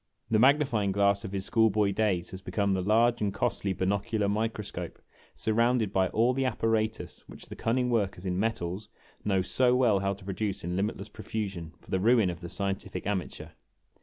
The magnifying glass of his school boy days has become the large and costly binocular microscope surrounded by all the apparatus which the cunningf o 66 IMAGINOTIONS workers in metals know so well how to produce in limitless profu sion for the ruin of the scientific amateur."